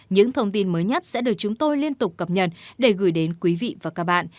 những thông tin mới nhất sẽ được chúng tôi liên tục cập nhật để gửi đến quý vị và các bạn